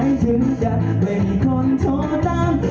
หยุดมีท่าหยุดมีท่า